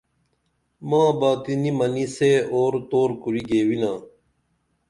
ماں باتی نی منی سے اُور تُور کُری گیوِنا